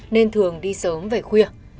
nên thường đi sở hữu